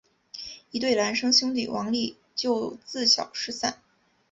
一对孪生兄弟王利就自小失散。